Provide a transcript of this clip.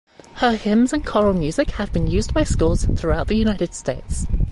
Her hymns and choral music have been used by schools throughout the United States.